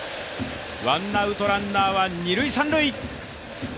ワンアウトランナーは二・三塁。